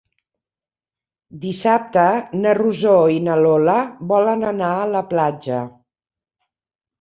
Dissabte na Rosó i na Lola volen anar a la platja.